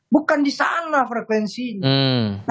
bukan di sana frekuensinya